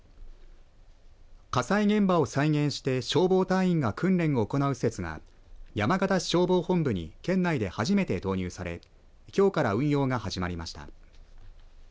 火災現場を再現して消防隊員が訓練を行う施設が山形首相消防本部に県内で初めて導入されきょうから運用が始まりました。